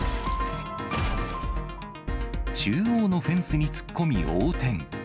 中央のフェンスに突っ込み横転。